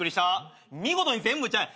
見事に全部ちゃう。